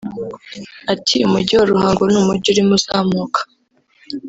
Ati” Umujyi wa Ruhango ni umujyi urimo uzamuka